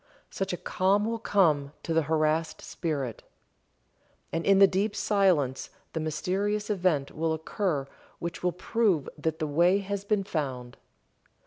Such a calm will come to the harassed spirit. And in the deep silence the mysterious event will occur which will prove that the way has been found.